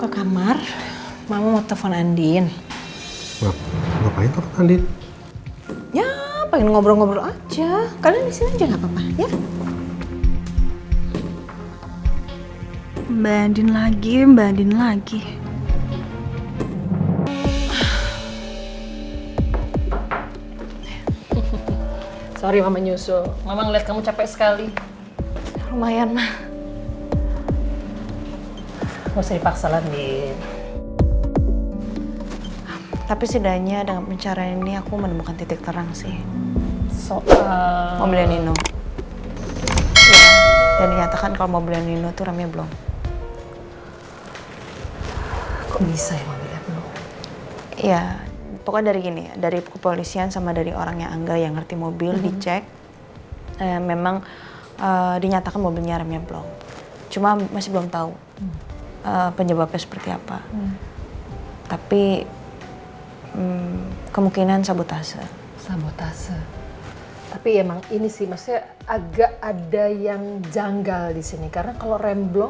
kalau nomor itu sama dengan nomor yang ada di handphone aku